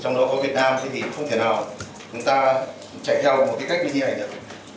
trong đó có việt nam thế thì không thể nào người ta chạy theo một cách như thế này được